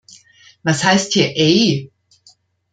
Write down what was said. Was heißt hier ey?